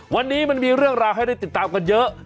วันนี้มันมีเรื่องราวให้ได้ติดตามกันเยอะ